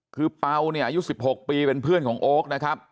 คือเปล่าเนี่ยอายุ๑๖ปีเป็นเพื่อนของโอ๊คนะครับ